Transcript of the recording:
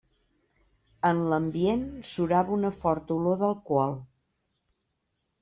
En l'ambient surava una forta olor d'alcohol.